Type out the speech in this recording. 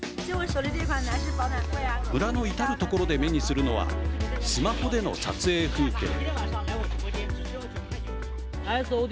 村の至る所で目にするのはスマホでの撮影風景。